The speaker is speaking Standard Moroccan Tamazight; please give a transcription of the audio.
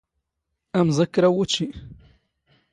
ⴰⵎⵥ ⴰⴽ ⴽⵔⴰ ⵏ ⵡⵓⵜⵛⵉ.